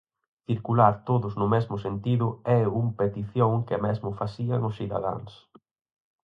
Circular todos no mesmo sentido é un petición que mesmo facían os cidadáns.